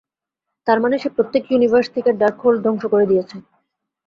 তারমানে সে প্রত্যেক ইউনিভার্স থেকে ডার্কহোল্ড ধ্বংস করে দিয়েছে।